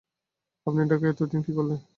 আপনি ঢাকায় এত দিন কী করলেন?